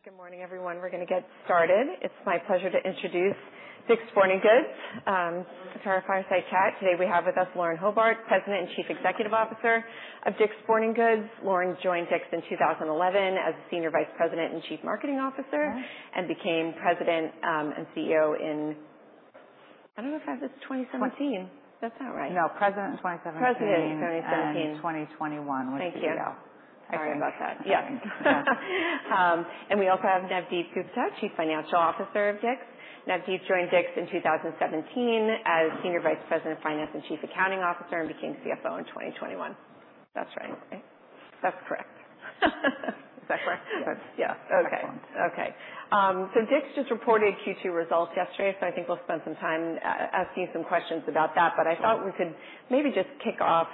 AOkay, good morning, everyone. We're gonna get started. It's my pleasure to introduce Dick's Sporting Goods to our Fireside Chat. Today, we have with us Lauren Hobart, President and Chief Executive Officer of Dick's Sporting Goods. Lauren joined Dick's in two thousand and eleven as Senior Vice President and Chief Marketing Officer, and became President and CEO in... I don't know if I have it as 2017. That's not right. No, President in 2017- President in 2017. 2021 was the CEO. Thank you. Sorry about that. Yeah, and we also have Navdeep Gupta, Chief Financial Officer of Dick's. Navdeep joined Dick's in 2017 as Senior Vice President of Finance and Chief Accounting Officer, and became CFO in 2021. That's right. Right. That's correct. Is that correct? Yes. Yeah. Okay. Excellent. Okay. So Dick's just reported Q2 results yesterday, so I think we'll spend some time asking you some questions about that. But I thought we could maybe just kick off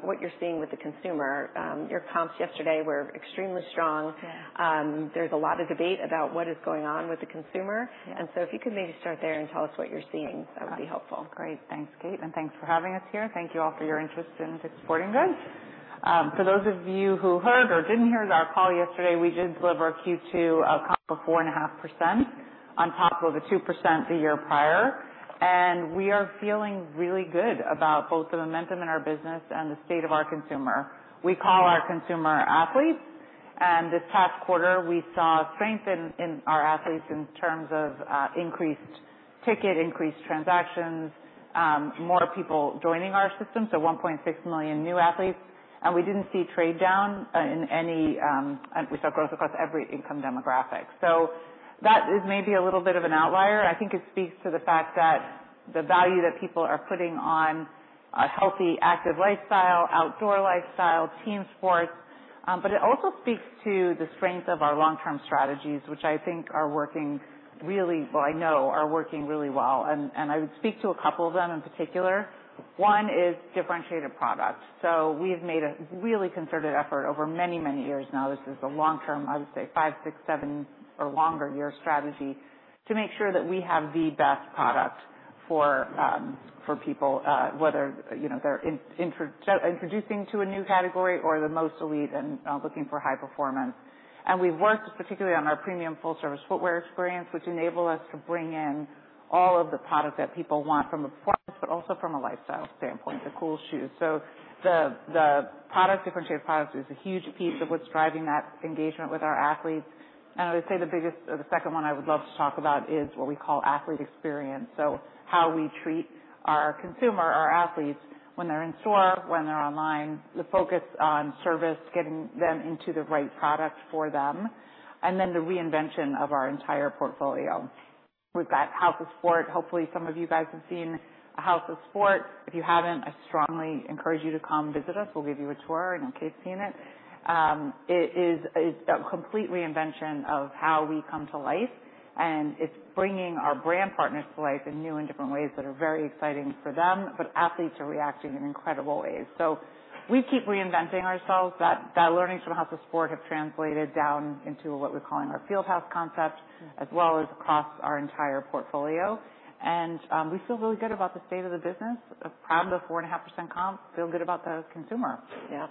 what you're seeing with the consumer. Your comps yesterday were extremely strong. Yeah. There's a lot of debate about what is going on with the consumer. Yeah. If you could maybe start there and tell us what you're seeing, that would be helpful. Great. Thanks, Kate, and thanks for having us here. Thank you all for your interest in DICK'S Sporting Goods. For those of you who heard or didn't hear our call yesterday, we did deliver our Q2 comp of 4.5%, on top of the 2% the year prior. And we are feeling really good about both the momentum in our business and the state of our consumer. We call our consumer athletes, and this past quarter, we saw strength in our athletes in terms of increased ticket, increased transactions, more people joining our system, so 1.6 million new athletes. And we didn't see trade down in any. We saw growth across every income demographic. So that is maybe a little bit of an outlier. I think it speaks to the fact that the value that people are putting on a healthy, active lifestyle, outdoor lifestyle, team sports, but it also speaks to the strength of our long-term strategies, which I think are working really well. I know are working really well, and I would speak to a couple of them in particular. One is differentiated products. So we have made a really concerted effort over many, many years now. This is a long-term, I would say, five, six, seven or longer year strategy to make sure that we have the best product for people, whether, you know, they're introducing to a new category or the most elite and looking for high performance. And we've worked particularly on our premium full service footwear experience, which enable us to bring in all of the products that people want from a performance, but also from a lifestyle standpoint, the cool shoes. So the product, differentiated products is a huge piece of what's driving that engagement with our athletes. And I would say the biggest or the second one I would love to talk about is what we call athlete experience. So how we treat our consumer, our athletes, when they're in store, when they're online, the focus on service, getting them into the right product for them, and then the reinvention of our entire portfolio. We've got House of Sport. Hopefully, some of you guys have seen a House of Sport. If you haven't, I strongly encourage you to come visit us. We'll give you a tour, in case you haven't seen it. It is a complete reinvention of how we come to life, and it's bringing our brand partners to life in new and different ways that are very exciting for them, but athletes are reacting in incredible ways. So we keep reinventing ourselves. That learnings from House of Sport have translated down into what we're calling our Field House concept, as well as across our entire portfolio. And we feel really good about the state of the business. I'm proud of the 4.5% comp. Feel good about the consumer. Yeah.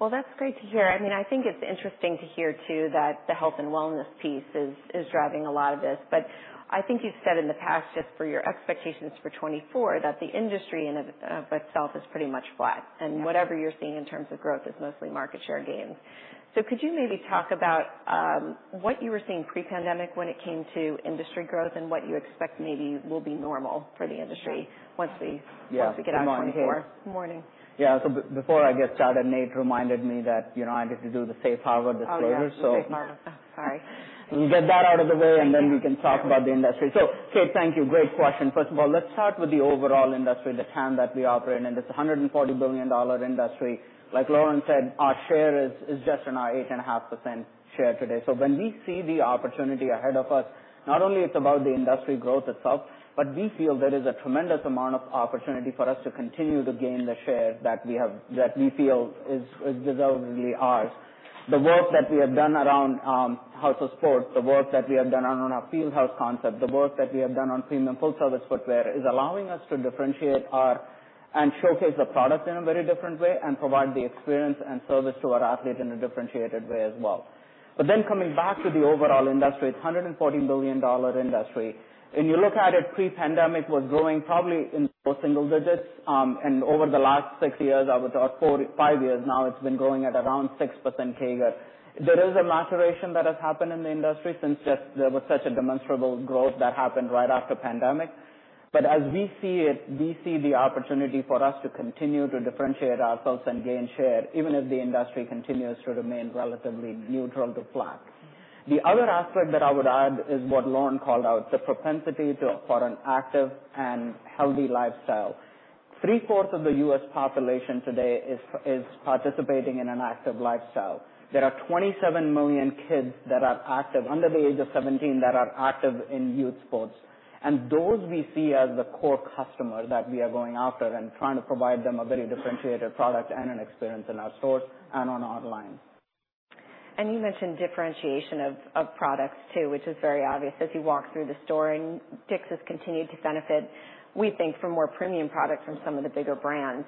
Well, that's great to hear. I mean, I think it's interesting to hear, too, that the health and wellness piece is driving a lot of this. But I think you've said in the past, just for your expectations for 2024, that the industry in and of itself is pretty much flat. Yeah. Whatever you're seeing in terms of growth is mostly market share gains. So could you maybe talk about what you were seeing pre-pandemic when it came to industry growth and what you expect maybe will be normal for the industry? Sure. -once we- Yeah. Once we get out 2024. Good morning. Yeah, so before I get started, Nate reminded me that, you know, I need to do the safe harbor disclosure, so. Oh, yeah, the safe harbor. Sorry. Get that out of the way, and then we can talk about the industry. So, Kate, thank you. Great question. First of all, let's start with the overall industry, the trend that we operate in, and it's a $140 billion industry. Like Lauren said, our share is just around 8.5% share today. So when we see the opportunity ahead of us, not only it's about the industry growth itself, but we feel there is a tremendous amount of opportunity for us to continue to gain the share that we have, that we feel is deservedly ours. The work that we have done around House of Sport, the work that we have done on our Field House concept, the work that we have done on premium full service footwear, is allowing us to differentiate our... and showcase the product in a very different way and provide the experience and service to our athlete in a differentiated way as well. But then coming back to the overall industry, it's a $140 billion industry, and you look at it, pre-pandemic was growing probably in low single digits%. And over the last six years, I would thought four, five years now, it's been growing at around 6% CAGR. There is a maturation that has happened in the industry since just there was such a demonstrable growth that happened right after pandemic. But as we see it, we see the opportunity for us to continue to differentiate ourselves and gain share, even if the industry continues to remain relatively neutral to flat. The other aspect that I would add is what Lauren called out, the propensity to, for an active and healthy lifestyle. 3/4 of the U.S. population today is participating in an active lifestyle. There are 27 million kids that are active under the age of 17, that are active in youth sports. And those we see as the core customer that we are going after and trying to provide them a very differentiated product and an experience in our stores and online. And you mentioned differentiation of products, too, which is very obvious as you walk through the store, and Dick's has continued to benefit, we think, from more premium products from some of the bigger brands.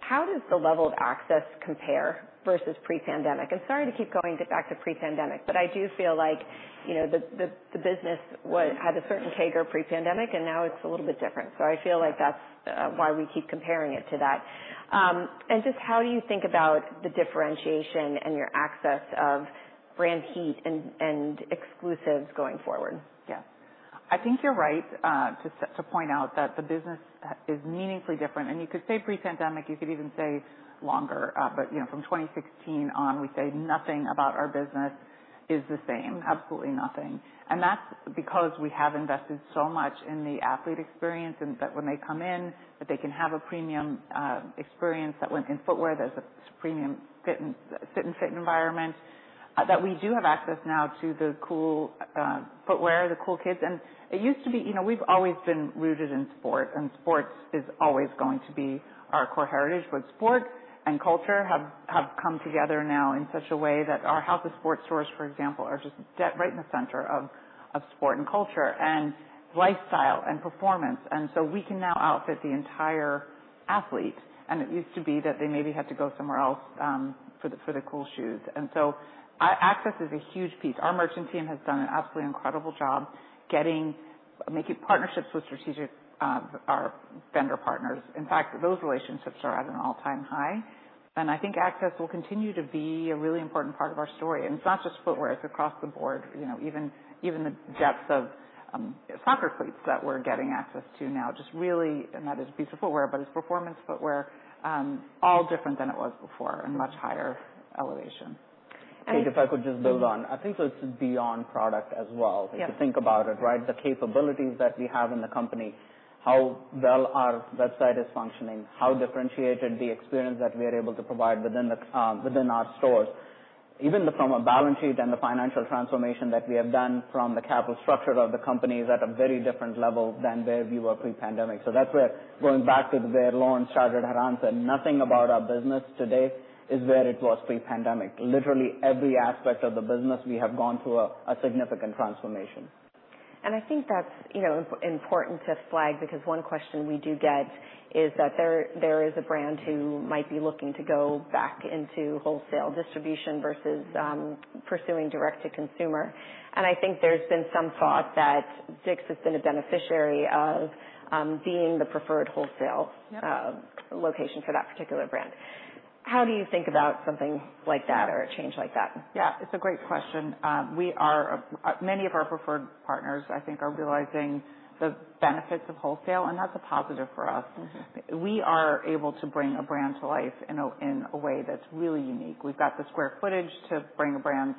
How does the level of access compare versus pre-pandemic? I'm sorry to keep going back to pre-pandemic, but I do feel like, you know, the business had a certain trajectory pre-pandemic, and now it's a little bit different. So I feel like that's why we keep comparing it to that. And just how do you think about the differentiation and your access to brand breadth and exclusives going forward? Yes. I think you're right to point out that the business is meaningfully different, and you could say pre-pandemic, you could even say longer. But you know, from 2016 on, we say nothing about our business is the same. Absolutely nothing. And that's because we have invested so much in the athlete experience and that when they come in, that they can have a premium experience, that when in footwear, there's a premium fit environment, that we do have access now to the cool footwear, the cool kids. And it used to be, you know, we've always been rooted in sport, and sports is always going to be our core heritage. Sport and culture have come together now in such a way that our House of Sport stores, for example, are just right in the center of sport and culture and lifestyle and performance. We can now outfit the entire athlete, and it used to be that they maybe had to go somewhere else for the cool shoes. Access is a huge piece. Our merchant team has done an absolutely incredible job making partnerships with strategic vendor partners. In fact, those relationships are at an all-time high, and I think access will continue to be a really important part of our story. It's not just footwear, it's across the board, you know, even the depths of soccer cleats that we're getting access to now. Just really, and that is a piece of footwear, but it's performance footwear, all different than it was before, and much higher elevation. And- Kate, if I could just build on. I think it's beyond product as well. Yes. If you think about it, right? The capabilities that we have in the company, how well our website is functioning, how differentiated the experience that we are able to provide within the, within our stores. Even from a balance sheet and the financial transformation that we have done from the capital structure of the company is at a very different level than where we were pre-pandemic. So that's where going back to where Lauren started her answer, nothing about our business today is where it was pre-pandemic. Literally, every aspect of the business, we have gone through a significant transformation. I think that's, you know, important to flag, because one question we do get is that there is a brand who might be looking to go back into wholesale distribution versus pursuing direct to consumer. I think there's been some thought that Dick's has been a beneficiary of being the preferred wholesale- Yep. Location for that particular brand. How do you think about something like that or a change like that? Yeah, it's a great question. Many of our preferred partners, I think, are realizing the benefits of wholesale, and that's a positive for us. Mm-hmm. We are able to bring a brand to life in a way that's really unique. We've got the square footage to bring a brand,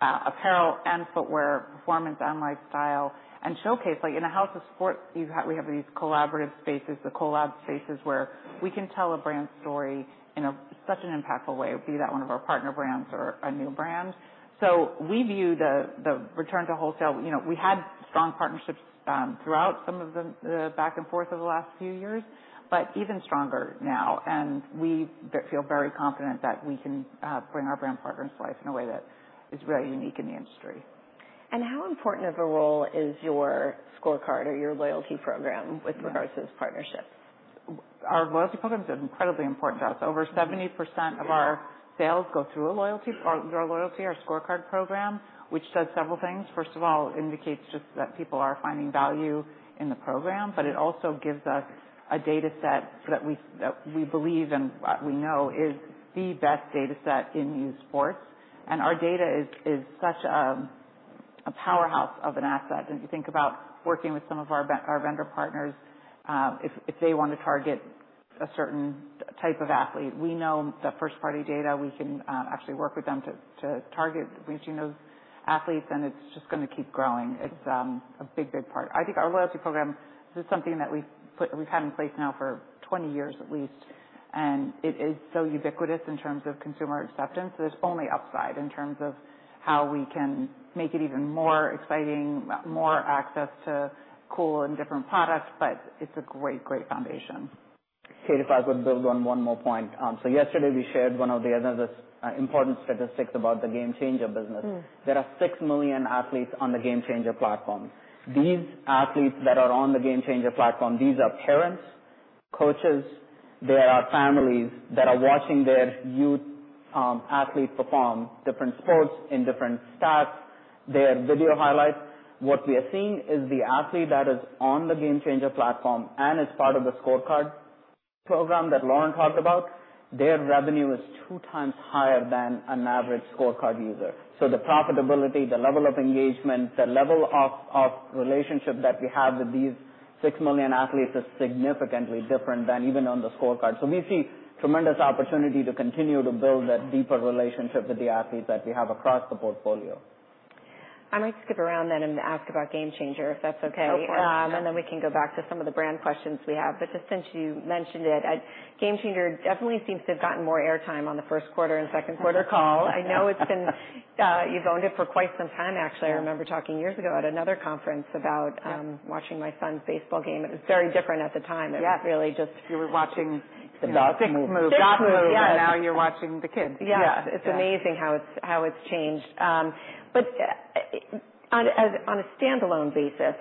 apparel and footwear, performance and lifestyle, and showcase, like in a House of Sport, we have these collaborative spaces, the collab spaces, where we can tell a brand story in such an impactful way, be that one of our partner brands or a new brand. So we view the return to wholesale. You know, we had strong partnerships throughout some of the back and forth of the last few years, but even stronger now. And we feel very confident that we can bring our brand partners to life in a way that is really unique in the industry. How important of a role is your ScoreCard or your loyalty program with regards to this partnership? Our loyalty program is incredibly important to us. Over 70% of our sales go through a loyalty, our loyalty, our ScoreCard program, which says several things. First of all, indicates just that people are finding value in the program, but it also gives us a data set that we believe and we know is the best data set in youth sports, and our data is such a powerhouse of an asset, and you think about working with some of our vendor partners, if they want to target a certain type of athlete, we know the first-party data. We can actually work with them to target reaching those athletes, and it's just going to keep growing. It's a big, big part. I think our loyalty program is something that we've had in place now for 20 years at least, and it is so ubiquitous in terms of consumer acceptance. There's only upside in terms of how we can make it even more exciting, more access to cool and different products, but it's a great, great foundation. Kate, if I could build on one more point, so yesterday we shared one of the other important statistics about the GameChanger business. Mm. There are 6 million athletes on the GameChanger platform. These athletes that are on the GameChanger platform, these are parents, coaches, they are families that are watching their youth athletes perform different sports in different stats, their video highlights. What we are seeing is the athlete that is on the GameChanger platform and is part of the ScoreCard program that Lauren talked about, their revenue is two times higher than an average ScoreCard user. So the profitability, the level of engagement, the level of relationship that we have with these 6 million athletes is significantly different than even on the ScoreCard. So we see tremendous opportunity to continue to build that deeper relationship with the athletes that we have across the portfolio. I might skip around then and ask about GameChanger, if that's okay. Of course. And then we can go back to some of the brand questions we have. But just since you mentioned it, GameChanger definitely seems to have gotten more airtime on the first quarter and second quarter call. I know it's been. You've owned it for quite some time, actually. I remember talking years ago at another conference about watching my son's baseball game. It was very different at the time. Yeah. It was really just- You were watching the dots move. Dot move.... you're watching the kids. Yeah. Yes. It's amazing how it's changed, but on a standalone basis,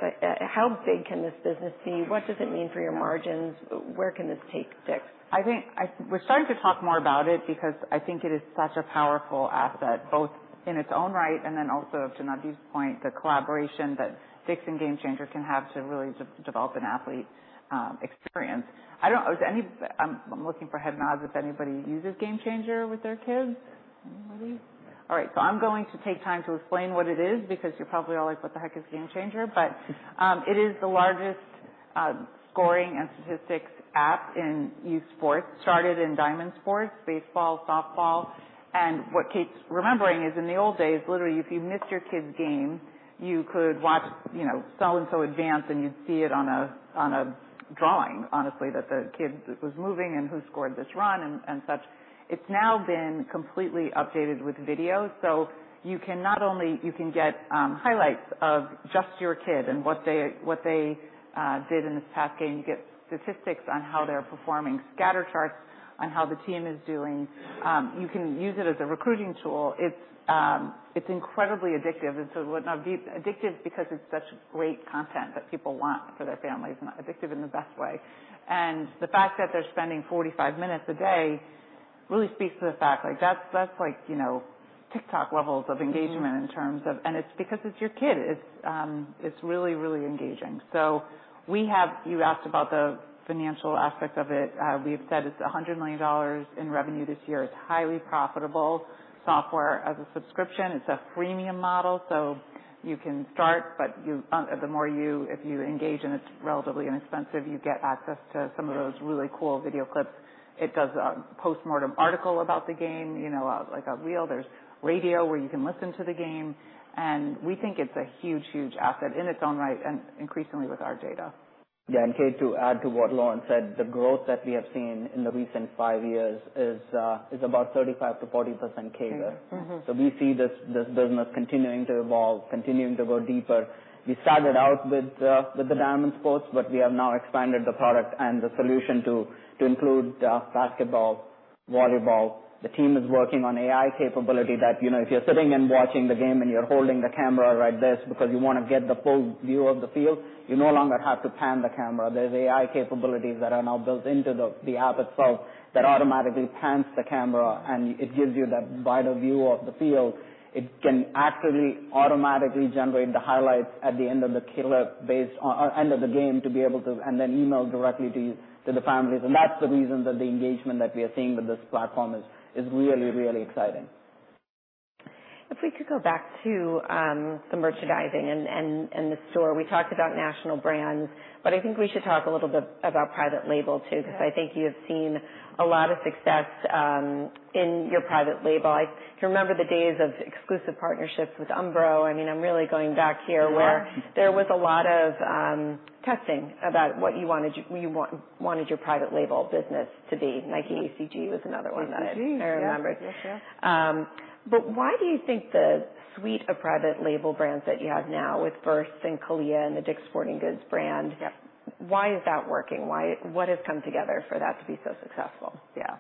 how big can this business be? What does it mean for your margins? Where can this take Dick's? I think we're starting to talk more about it because I think it is such a powerful asset, both in its own right and then also, to Navdeep's point, the collaboration that Dick's and GameChanger can have to really develop an athlete experience. I don't know. Is anybody? I'm looking for head nods if anybody uses GameChanger with their kids. Anybody? All right, so I'm going to take time to explain what it is, because you're probably all like, "What the heck is GameChanger?" But, it is the largest, scoring and statistics app in youth sports. Started in diamond sports, baseball, softball, and what Kate's remembering is, in the old days, literally, if you missed your kid's game, you could watch, you know, so and so advance, and you'd see it on a drawing, honestly, that the kid was moving and who scored this run and such. It's now been completely updated with video. So you can not only... You can get highlights of just your kid and what they did in this past game. You get statistics on how they're performing, scatter charts on how the team is doing. You can use it as a recruiting tool. It's incredibly addictive and so addictive because it's such great content that people want for their families and addictive in the best way. The fact that they're spending 45 minutes a day really speaks to the fact, like, that's like, you know, TikTok levels of engagement. Mm-hmm. in terms of... And it's because it's your kid. It's really, really engaging. So we have. You asked about the financial aspect of it. We've said it's $100 million in revenue this year. It's highly profitable software as a subscription. It's a freemium model, so you can start, but you, the more you if you engage, and it's relatively inexpensive, you get access to some of those really cool video clips. It does a postmortem article about the game, you know, like a reel. There's radio, where you can listen to the game, and we think it's a huge, huge asset in its own right and increasingly with our data. Yeah, and, Kate, to add to what Lauren said, the growth that we have seen in the recent five years is about 35%-40% CAGR. Mm-hmm. Mm-hmm. So we see this, this business continuing to evolve, continuing to go deeper. We started out with the diamond sports, but we have now expanded the product and the solution to include basketball, volleyball. The team is working on AI capability that, you know, if you're sitting and watching the game and you're holding the camera like this because you want to get the full view of the field, you no longer have to pan the camera. There's AI capabilities that are now built into the app itself that automatically pans the camera, and it gives you that wider view of the field. It can actively, automatically generate the highlights at the end of the quarter based on or end of the game, to be able to... and then email directly to the families. That's the reason that the engagement that we are seeing with this platform is really, really exciting. If we could go back to the merchandising and the store. We talked about national brands, but I think we should talk a little bit about private label, too- Yeah. Because I think you have seen a lot of success in your private label. I can remember the days of exclusive partnerships with Umbro. I mean, I'm really going back here. You are. where there was a lot of testing about what you wanted your private label business to be. Nike ACG was another one- ACG. that I remember. Yes. Yeah. But why do you think the suite of private label brands that you have now with VRST and CALIA and the Dick's Sporting Goods brand? Yep. Why is that working? Why... What has come together for that to be so successful? Yeah.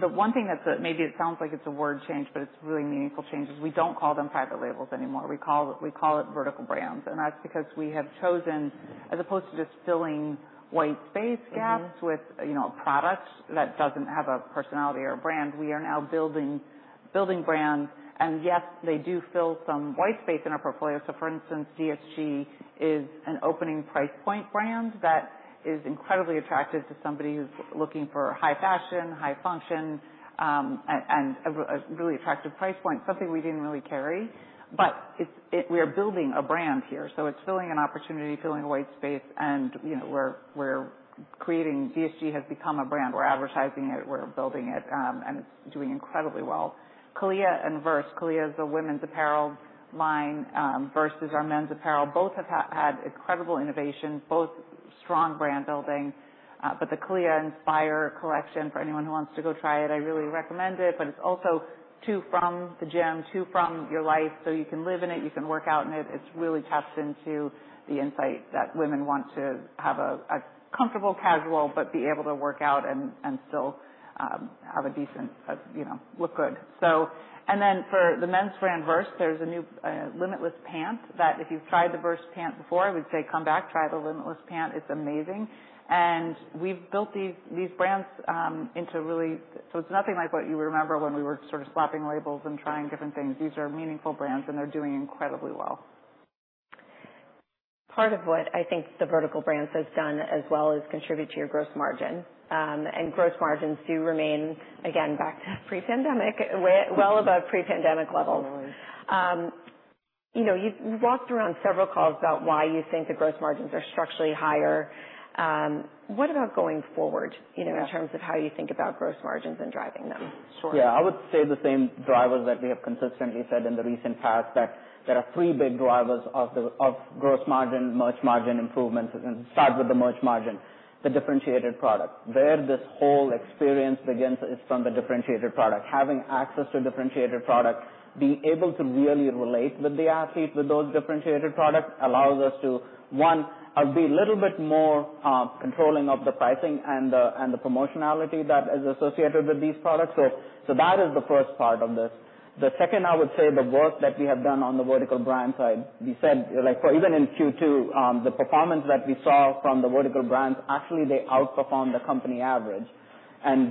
The one thing that's maybe it sounds like it's a word change, but it's a really meaningful change, is we don't call them private labels anymore. We call it, we call it vertical brands, and that's because we have chosen, as opposed to just filling white space gaps- Mm-hmm. -with, you know, a product that doesn't have a personality or a brand, we are now building brands. And yes, they do fill some white space in our portfolio. So for instance, DSG is an opening price point brand that is incredibly attractive to somebody who's looking for high fashion, high function, and a really attractive price point, something we didn't really carry. But it's, it. We are building a brand here, so it's filling an opportunity, filling a white space. And, you know, we're creating. DSG has become a brand. We're advertising it, we're building it, and it's doing incredibly well. CALIA and VRST. CALIA is a women's apparel line, VRST is our men's apparel. Both have had incredible innovation, both strong brand building. But the CALIA Inspire collection, for anyone who wants to go try it, I really recommend it, but it's also from the gym to your life, so you can live in it, you can work out in it. It's really tapped into the insight that women want to have a comfortable casual, but be able to work out and still have a decent, you know, look good. So... And then for the men's brand, VRST, there's a new Limitless pant that if you've tried the VRST pant before, I would say come back, try the Limitless pant. It's amazing. And we've built these brands into really... So it's nothing like what you remember when we were sort of swapping labels and trying different things. These are meaningful brands, and they're doing incredibly well. Part of what I think the vertical brands has done as well is contribute to your gross margin, and gross margins do remain, again, back to pre-pandemic, way well above pre-pandemic levels. Mm-hmm.... You know, you walked around several calls about why you think the gross margins are structurally higher. What about going forward, you know, in terms of how you think about gross margins and driving them? Sure. Yeah, I would say the same drivers that we have consistently said in the recent past, that there are three big drivers of the, of gross margin, merch margin improvements, and start with the merch margin. The differentiated product. Where this whole experience begins is from the differentiated product. Having access to differentiated products, being able to really relate with the athletes with those differentiated products, allows us to, one, be a little bit more, controlling of the pricing and the, and the promotionality that is associated with these products. So that is the first part of this. The second, I would say the work that we have done on the vertical brand side. We said, like for even in Q2, the performance that we saw from the vertical brands, actually they outperformed the company average.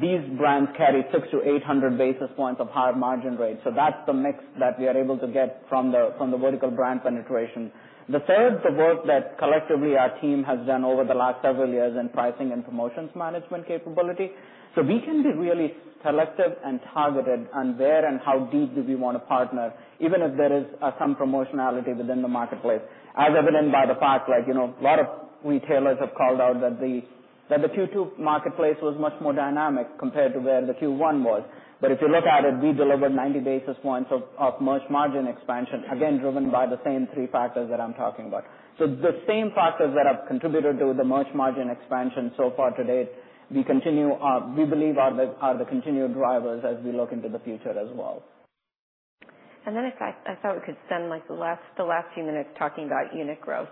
These brands carry 600-800 basis points of higher margin rate. That's the mix that we are able to get from the vertical brand penetration. The third, the work that collectively our team has done over the last several years in pricing and promotions management capability. We can be really selective and targeted on where and how deep do we wanna partner, even if there is some promotionality within the marketplace. As evident by the fact, like, you know, a lot of retailers have called out that the Q2 marketplace was much more dynamic compared to where the Q1 was. If you look at it, we delivered 90 basis points of merch margin expansion, again, driven by the same three factors that I'm talking about. So the same factors that have contributed to the merch margin expansion so far to date, we believe are the continued drivers as we look into the future as well. And then if I thought we could spend like the last few minutes talking about unit growth.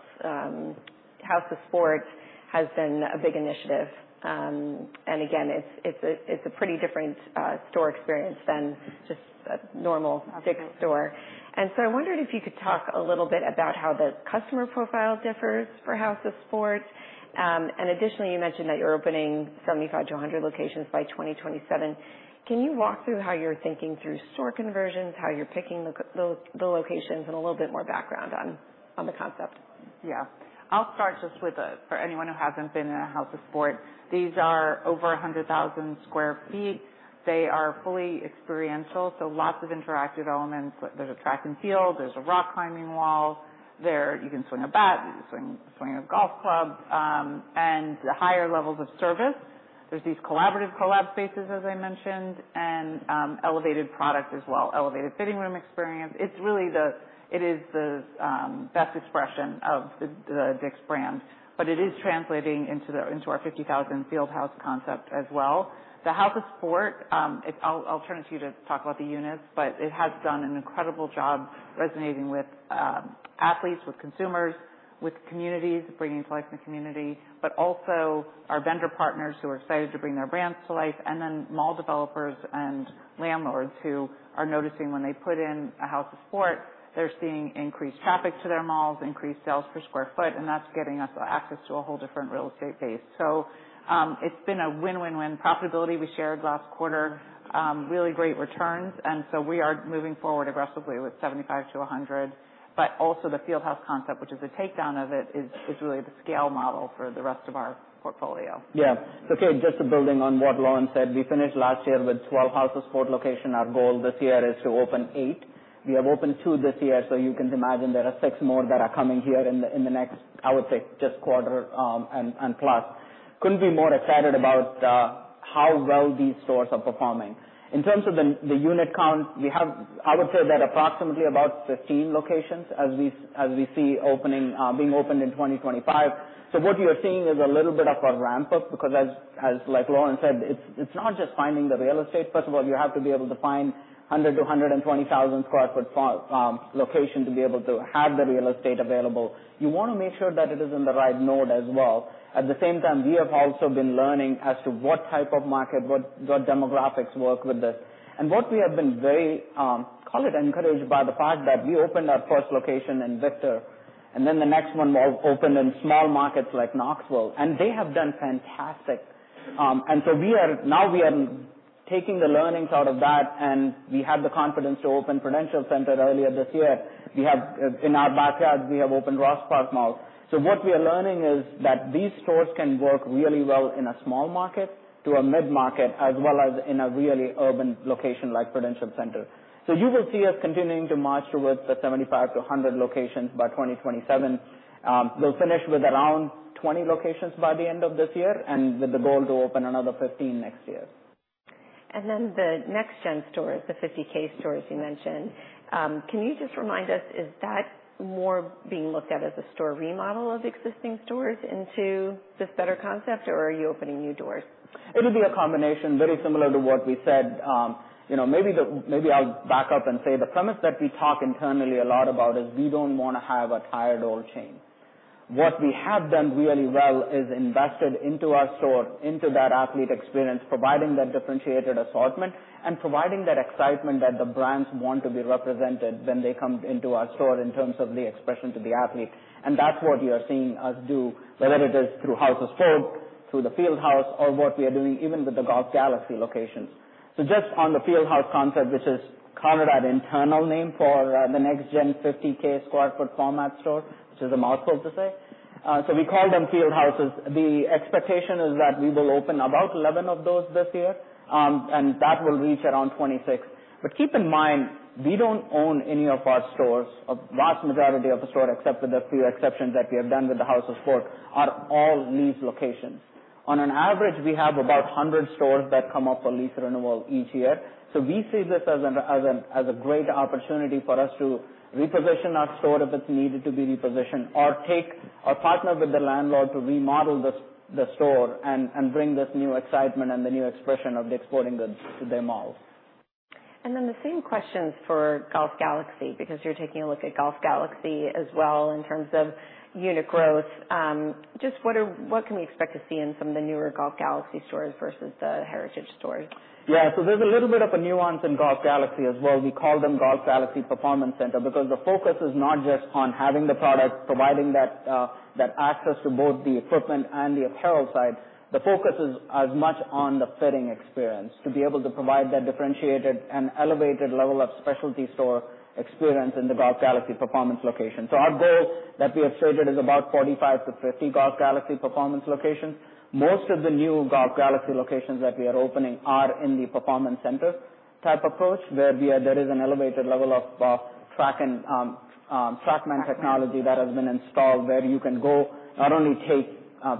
House of Sport has been a big initiative. And again, it's a pretty different store experience than just a normal Dick's store. Right. So I wondered if you could talk a little bit about how the customer profile differs for House of Sport. And additionally, you mentioned that you're opening 75-100 locations by 2027. Can you walk through how you're thinking through store conversions, how you're picking the locations, and a little bit more background on the concept? Yeah. I'll start just with the... For anyone who hasn't been in a House of Sport, these are over 100,000 sq ft. They are fully experiential, so lots of interactive elements. There's a track and field, there's a rock climbing wall. There, you can swing a bat, you can swing a golf club, and higher levels of service. There's these collaborative collab spaces, as I mentioned, and, elevated product as well, elevated fitting room experience. It's really the-- it is the, best expression of the, the Dick's brand, but it is translating into the, into our 50,000 Field House concept as well. The House of Sport, I'll turn to you to talk about the units, but it has done an incredible job resonating with athletes, with consumers, with communities, bringing life to community, but also our vendor partners who are excited to bring their brands to life, and then mall developers and landlords who are noticing when they put in a House of Sport, they're seeing increased traffic to their malls, increased sales per square foot, and that's getting us access to a whole different real estate base. So, it's been a win, win, win. Profitability, we shared last quarter, really great returns, and so we are moving forward aggressively with 75-100. But also the Field House concept, which is a takedown of it, is really the scale model for the rest of our portfolio. Yeah. So, Kate, just building on what Lauren said, we finished last year with twelve House of Sport locations. Our goal this year is to open eight. We have opened two this year, so you can imagine there are six more that are coming here in the next, I would say, just quarter and plus. Couldn't be more excited about how well these stores are performing. In terms of the unit count, we have. I would say that approximately about fifteen locations as we see opening being opened in 2025. So what you are seeing is a little bit of a ramp up, because as like Lauren said, it's not just finding the real estate. First of all, you have to be able to find 100-120,000-sq-ft location to be able to have the real estate available. You wanna make sure that it is in the right node as well. At the same time, we have also been learning as to what type of market, what demographics work with this. And what we have been very, call it encouraged by the fact that we opened our first location in Victor, and then the next one opened in small markets like Knoxville, and they have done fantastic. And so we are now taking the learnings out of that, and we have the confidence to open Prudential Center earlier this year. We have, in our backyard, we have opened Ross Park Mall. So what we are learning is that these stores can work really well in a small market to a mid-market, as well as in a really urban location like Prudential Center. So you will see us continuing to march towards the 75-100 locations by 2027. We'll finish with around 20 locations by the end of this year and with the goal to open another 15 next year. And then the next gen stores, the 50K stores you mentioned, can you just remind us, is that more being looked at as a store remodel of existing stores into this better concept, or are you opening new doors? It'll be a combination very similar to what we said. You know, maybe the, maybe I'll back up and say the premise that we talk internally a lot about is we don't wanna have a tired old chain. What we have done really well is invested into our store, into that athlete experience, providing that differentiated assortment and providing that excitement that the brands want to be represented when they come into our store in terms of the expression to the athlete, and that's what you are seeing us do, whether it is through House of Sport, through the Field House or what we are doing even with the Golf Galaxy locations. So just on the Field House concept, which is kind of an internal name for the next gen 50K sq ft format store, which is a mouthful to say. So we call them Field Houses. The expectation is that we will open about 11 of those this year, and that will reach around 26. But keep in mind, we don't own any of our stores. A vast majority of the stores, except for the few exceptions that we have done with the House of Sport, are all lease locations. On an average, we have about 100 stores that come up for lease renewal each year. So we see this as a great opportunity for us to reposition our store if it's needed to be repositioned, or to partner with the landlord to remodel the store and bring this new excitement and the new expression of the sporting goods to their malls. And then the same questions for Golf Galaxy, because you're taking a look at Golf Galaxy as well in terms of unit growth. What can we expect to see in some of the newer Golf Galaxy stores versus the heritage stores? Yeah, so there's a little bit of a nuance in Golf Galaxy as well. We call them Golf Galaxy Performance Center, because the focus is not just on having the product, providing that, that access to both the equipment and the apparel side. The focus is as much on the fitting experience, to be able to provide that differentiated and elevated level of specialty store experience in the Golf Galaxy Performance location. So our goal that we have stated is about 45-50 Golf Galaxy Performance locations. Most of the new Golf Galaxy locations that we are opening are in the performance center type approach, where there is an elevated level of TrackMan technology that has been installed, where you can go not only take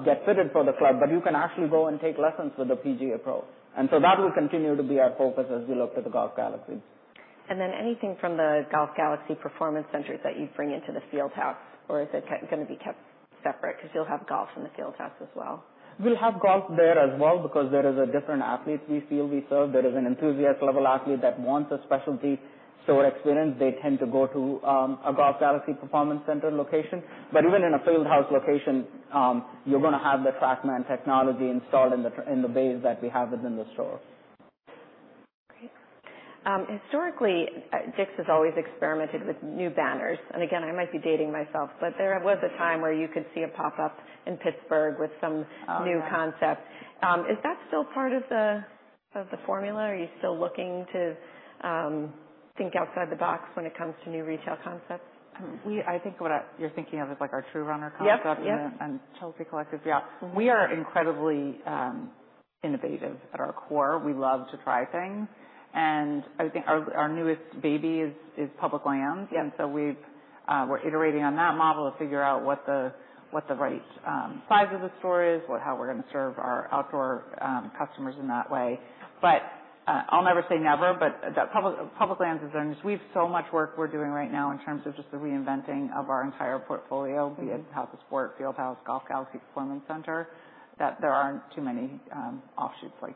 get fitted for the club, but you can actually go and take lessons with a PGA pro. And so that will continue to be our focus as we look to the Golf Galaxies. And then anything from the Golf Galaxy Performance Centers that you'd bring into the Field House, or is it gonna be kept separate? Because you'll have golf in the Field House as well. We'll have golf there as well, because there is a different athlete we feel we serve. There is an enthusiast-level athlete that wants a specialty store experience. They tend to go to a Golf Galaxy Performance Center location. But even in a Field House location, you're gonna have the TrackMan technology installed in the bays that we have within the store. Great. Historically, Dick's has always experimented with new banners. And again, I might be dating myself, but there was a time where you could see a pop-up in Pittsburgh with some- Oh, yeah. -new concept. Is that still part of the, of the formula? Are you still looking to think outside the box when it comes to new retail concepts? I think what you're thinking of is, like, our True Runner concept- Yep, yep. -and Chelsea Collective, yeah. We are incredibly innovative at our core. We love to try things, and I think our newest baby is Public Lands. And so we've... We're iterating on that model to figure out what the right size of the store is, what, how we're gonna serve our outdoor customers in that way. But, I'll never say never, but that Public Lands is done. We have so much work we're doing right now in terms of just the reinventing of our entire portfolio- Mm-hmm. -via House of Sport, Field House, Golf Galaxy Performance Center, that there aren't too many, offshoots like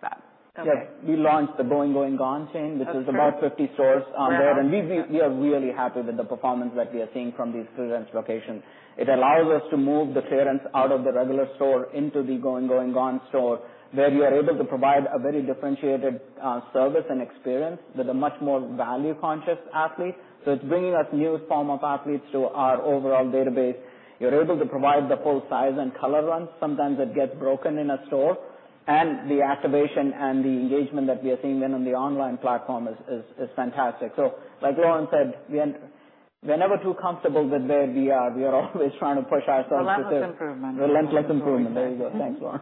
that. Okay. Yeah. We launched the Going Going Gone chain- Okay. which is about 50 stores on there. Yeah. We are really happy with the performance that we are seeing from these current locations. It allows us to move the clearance out of the regular store into the Going Going Gone store, where we are able to provide a very differentiated service and experience with a much more value-conscious athlete. It's bringing us new form of athletes to our overall database. You're able to provide the full size and color run. Sometimes it gets broken in a store, and the activation and the engagement that we are seeing then on the online platform is fantastic. Like Lauren said, we're never too comfortable with where we are. We are always trying to push ourselves. Relentless improvement. Relentless improvement. There you go. Thanks, Lauren.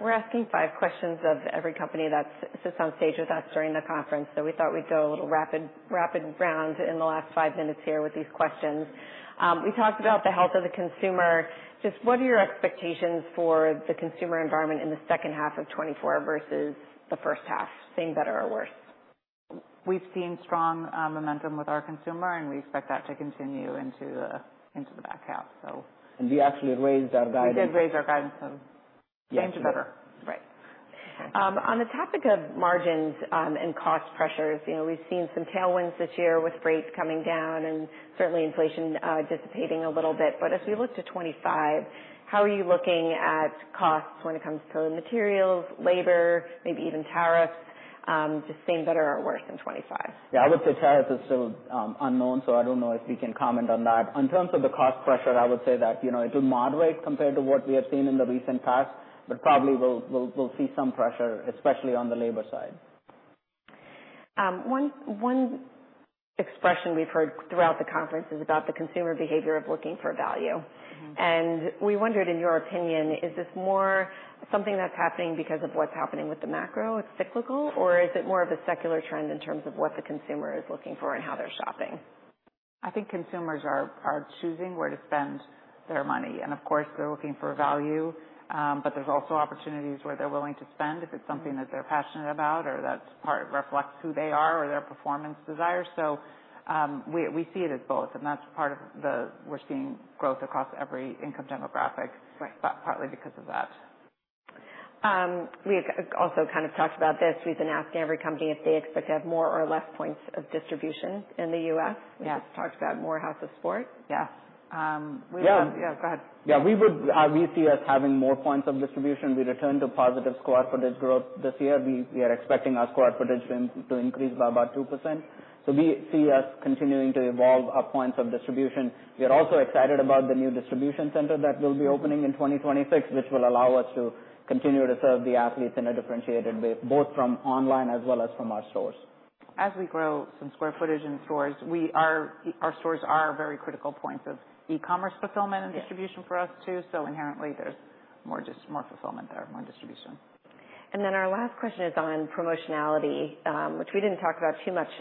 We're asking five questions of every company that sits on stage with us during the conference, so we thought we'd go a little rapid round in the last five minutes here with these questions. We talked about the health of the consumer. Just what are your expectations for the consumer environment in the second half of 2024 versus the first half, things that are worse? We've seen strong momentum with our consumer, and we expect that to continue into the back half, so. And we actually raised our guidance. We did raise our guidance, so- Yes. Things are better. Right. On the topic of margins, and cost pressures, you know, we've seen some tailwinds this year with rates coming down and certainly inflation, dissipating a little bit. But as we look to 2025, how are you looking at costs when it comes to materials, labor, maybe even tariffs? Just things that are worse than 2025. Yeah, I would say tariffs is still unknown, so I don't know if we can comment on that. In terms of the cost pressure, I would say that, you know, it will moderate compared to what we have seen in the recent past, but probably we'll see some pressure, especially on the labor side. One expression we've heard throughout the conference is about the consumer behavior of looking for value. Mm-hmm. We wondered, in your opinion, is this more something that's happening because of what's happening with the macro, it's cyclical? Or is it more of a secular trend in terms of what the consumer is looking for and how they're shopping? I think consumers are choosing where to spend their money, and of course, they're looking for value, but there's also opportunities where they're willing to spend if it's something- Mm. -that they're passionate about or that's part reflects who they are or their performance desire. So, we see it as both, and that's part of the... We're seeing growth across every income demographic- Right. but partly because of that. We've also kind of talked about this. We've been asking every company if they expect to have more or less points of distribution in the U.S. Yes. We've talked about more House of Sport. Yes. Yeah. Yeah, go ahead. Yeah, we would, we see us having more points of distribution. We return to positive square footage growth this year. We are expecting our square footage to increase by about 2%. So we see us continuing to evolve our points of distribution. We are also excited about the new distribution center that will be opening in 2026, which will allow us to continue to serve the athletes in a differentiated way, both from online as well as from our stores. As we grow some square footage in stores, our stores are very critical points of e-commerce fulfillment. Yeah -and distribution for us, too. So inherently, there's more fulfillment there, more distribution. Our last question is on promotionality, which we didn't talk about too much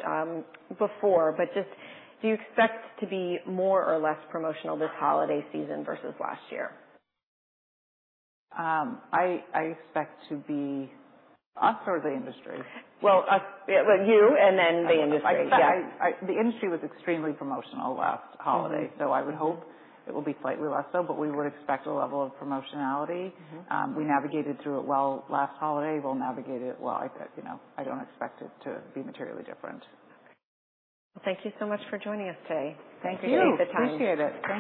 before, but just do you expect to be more or less promotional this holiday season versus last year? I expect to be... Us or the industry? You, and then the industry. I, I- Yeah. The industry was extremely promotional last holiday. Mm-hmm. So I would hope it will be slightly less so, but we would expect a level of promotionality. Mm-hmm. We navigated through it well last holiday. We'll navigate it well, you know, I don't expect it to be materially different. Okay. Thank you so much for joining us today. Thank you. Thanks for the time. Appreciate it.